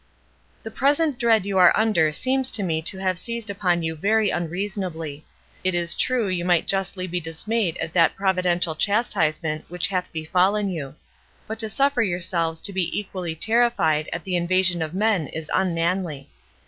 "The present dread you are under seems to me to have seized upon you very unreasonably. It is true, you might justly be dismayed at that providential chastisement which hath befallen you; but to suffer yourselves to be equally terrified at the invasion of men is unmanly.